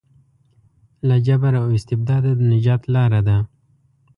له جبر او استبداده د نجات لاره ده.